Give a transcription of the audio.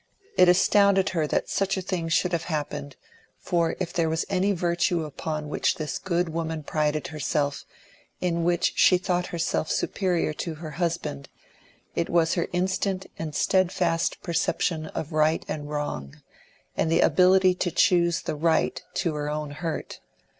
It astounded her that such a thing should have happened, for if there was any virtue upon which this good woman prided herself, in which she thought herself superior to her husband, it was her instant and steadfast perception of right and wrong, and the ability to choose the right to her own hurt.